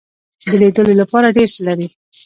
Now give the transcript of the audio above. د لیدلو لپاره ډیر څه لري.